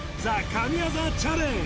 神業チャレンジ